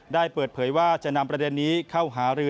ได้เปิดเผยว่าจะนำประเด็นนี้เข้าหารือ